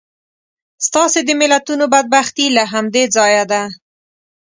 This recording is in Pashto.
ستاسې د ملتونو بدبختي له همدې ځایه ده.